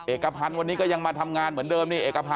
เอกพันธ์ในนี้ก็ยังมาทำงานเหมือนเดิม